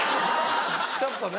ちょっとね。